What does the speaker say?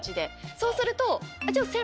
そうすると。